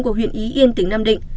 của huyện yên tỉnh nam định